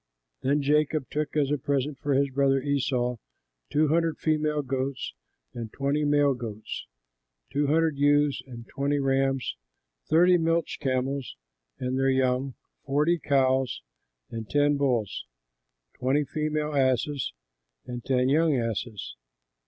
Then Jacob took as a present for his brother Esau, two hundred female goats and twenty male goats, two hundred ewes and twenty rams, thirty milch camels and their young, forty cows and ten bulls, twenty female asses and ten young asses.